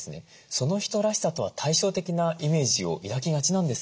その人らしさとは対照的なイメージを抱きがちなんですけれども。